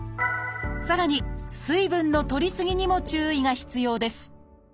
さらに水分のとりすぎにも注意が必要です